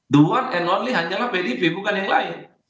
the one and only hanyalah pdip bukan yang lain